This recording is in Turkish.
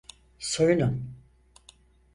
Soyunun!